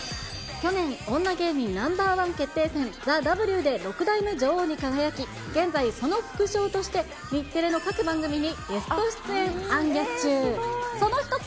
去年、女芸人ナンバーワン決定戦、ＴＨＥＷで６代目女王に輝き、現在その副賞として、日テレの各番組にゲスト出演行脚中。